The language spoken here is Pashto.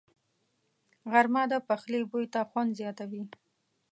غرمه د پخلي بوی ته خوند زیاتوي